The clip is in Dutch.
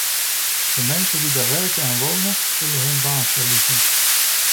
De mensen die daar werken en wonen, zullen hun baan verliezen.